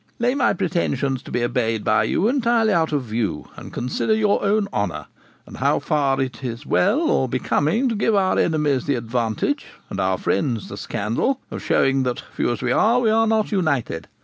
Lay my pretensions to be obeyed by you entirely out of view, and consider your own honour, and how far it is well or becoming to give our enemies the advantage and our friends the scandal of showing that, few as we are, we are not united.